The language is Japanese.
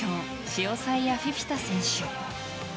シオサイア・フィフィタ選手。